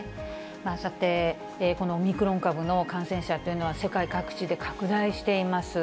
さて、このオミクロン株の感染者というのは、世界各地で拡大しています。